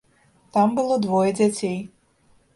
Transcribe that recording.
Там было двое дзяцей.